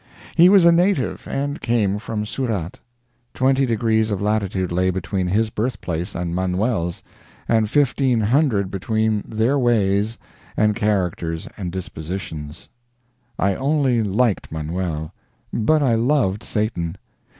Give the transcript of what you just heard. He was a native, and came from Surat. Twenty degrees of latitude lay between his birthplace and Manuel's, and fifteen hundred between their ways and characters and dispositions. I only liked Manuel, but I loved Satan.